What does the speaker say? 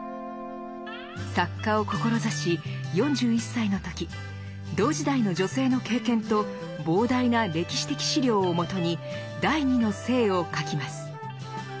作家を志し４１歳の時同時代の女性の経験と膨大な歴史的資料をもとに「第二の性」を書きます。